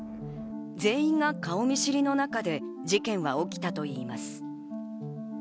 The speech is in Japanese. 全員が顔見知りの中で事件は起きたといいます。